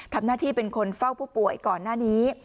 ทำหน้าที่เป็นคนเฝ้าผู้ป่วยก่อนหน้านี้